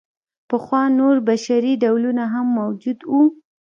پخوا نور بشري ډولونه هم موجود وو.